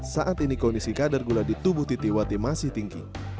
saat ini kondisi kadar gula di tubuh titi wati masih tinggi